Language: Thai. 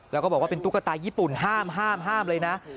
แล้วก็บอกว่าเป็นตุ๊กตาญี่ปุ่นห้ามห้ามเลยนะ